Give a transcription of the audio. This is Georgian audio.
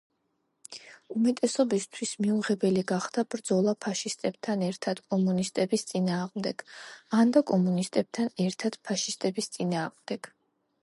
უმეტესობისთვის მიუღებელი გახდა ბრძოლა ფაშისტებთან ერთად კომუნისტების წინააღმდეგ, ანდა კომუნისტებთან ერთად ფაშისტების წინააღმდეგ.